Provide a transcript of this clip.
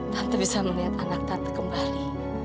tante bisa melihat anak tante kembali